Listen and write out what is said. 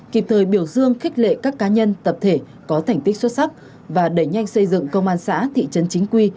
kịp thời biểu dương khích lệ các cá nhân tập thể có thành tích xuất sắc và đẩy nhanh xây dựng công an xã thị trấn chính quy